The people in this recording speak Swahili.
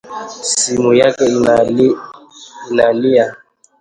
Simu yake inalia